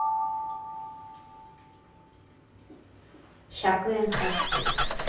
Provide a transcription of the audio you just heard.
１００円入ってる。